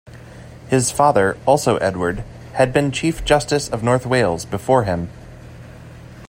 His father, also Edward, had been Chief Justice of North Wales before him.